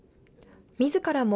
みずからも